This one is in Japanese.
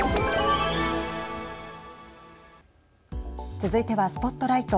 続いてはＳＰＯＴＬＩＧＨＴ。